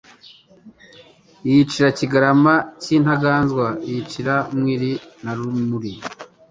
Yicira Kigarama cy' Intaganzwa yicira mwiri na rumuri